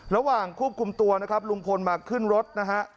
ระหว่างควบคุมตัวนะครับลุงพลมาขึ้นรถนะฮะ